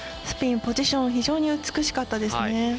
スピン、ポジション非常に美しかったですね。